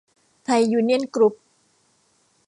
ไทยยูเนี่ยน กรุ๊ป